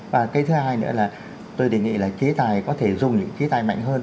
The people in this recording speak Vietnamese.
và cái thứ hai nữa là tôi đề nghị là chế tài có thể dùng những chế tài mạnh hơn